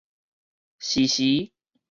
時時